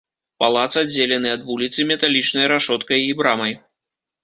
Палац аддзелены ад вуліцы металічнай рашоткай і брамай.